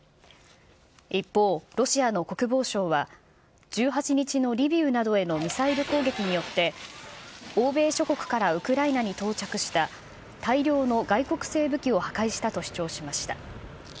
一方、ロシアの国防省は１８日のリビウなどへのミサイル攻撃によって、欧米諸国からウクライナに到着した大量の外国製武器を破壊したと主張しました。